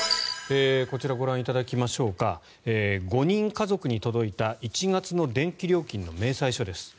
こちら、ご覧いただきましょうか５人家族に届いた１月の電気料金の明細書です。